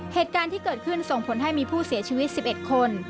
เหตุการณ์ที่เกิดขึ้นส่งผลให้มีผู้เสียชีวิต๑๑คน